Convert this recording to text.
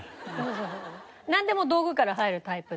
なんでも道具から入るタイプで。